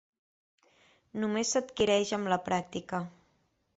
Només s’adquireix amb la pràctica.